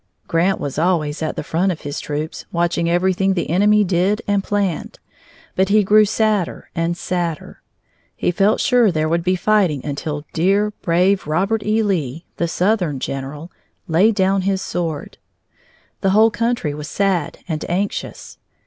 Grant was always at the front of his troops, watching everything the enemy did and planned, but he grew sadder and sadder. He felt sure there would be fighting until dear, brave Robert E. Lee, the southern general, laid down his sword. The whole country was sad and anxious.